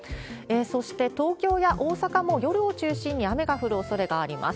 そして、東京や大阪も、夜を中心に雨が降るおそれがあります。